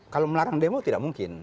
kalau melarang demo tidak mungkin